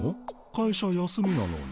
会社休みなのに。